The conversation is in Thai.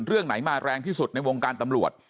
เรื่องไหนมาแรงที่สุดในวงการตำรวจ